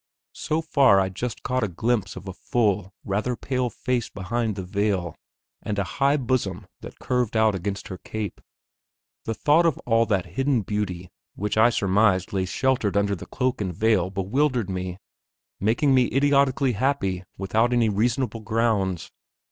So far, I just caught a glimpse of a full, rather pale, face behind the veil, and a high bosom that curved out against her cape. The thought of all the hidden beauty which I surmised lay sheltered under the cloak and veil bewildered me, making me idiotically happy without any reasonable grounds.